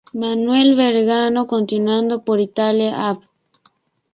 Manuel Belgrano, continuando por Italia, Av.